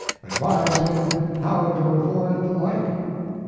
Advise him how to avoid the like?